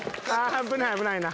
危ない危ないな。